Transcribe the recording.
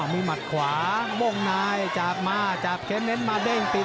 มีหมัดขวาม่วงในจับมาจับเค้นเน้นมาเด้งติด